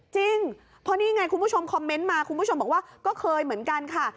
จริงเพราะนี่ไงคุณผู้ชมคอมเมนต์มาคุณผู้ชมบอกว่าก็เคยเหมือนกันค่ะ